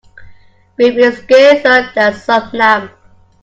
Beef is scarcer than some lamb.